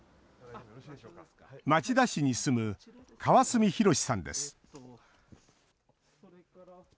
町田市に住む川角博さんです。